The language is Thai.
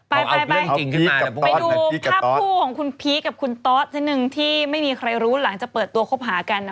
ไปไปไปดูภาพคู่ของคุณพีคกับคุณตอสสักหนึ่งที่ไม่มีใครรู้หลังจากเปิดตัวคบหากันนะ